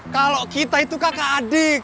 kalau kita itu kakak adik